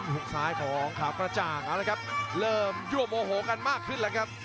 หุ้มซ้ายของขาวประจ่างเริ่มย่วมโอโหกันมากขึ้น